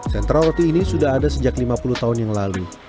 sentra roti ini sudah ada sejak lima puluh tahun yang lalu